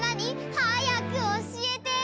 はやくおしえて！